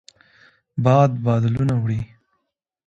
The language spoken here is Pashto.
باد بادلونه وړي